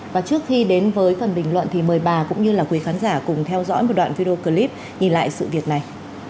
và trước khi đến với phần bình luận thì mời bà cũng như là quý khán giả cùng theo dõi một đoạn video clip nhìn lại sự việc này